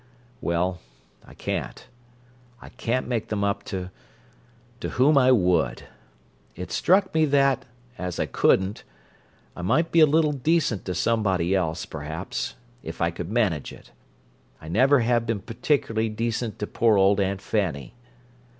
Well, I can't. I can't make them up to—to whom I would. It's struck me that, as I couldn't, I might be a little decent to somebody else, perhaps—if I could manage it! I never have been particularly decent to poor old Aunt Fanny."